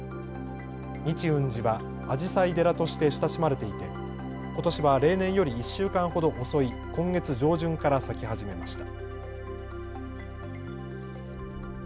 日運寺はあじさい寺として親しまれていてことしは例年より１週間ほど遅い今月上旬から咲き始めました。